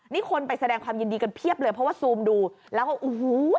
นี่คนไปแสดงความยินดีกันเพียบเลยเพราะว่าซูมดูแล้วก็โอ้โห